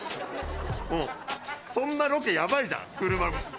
うん、そんなロケやばいじゃん。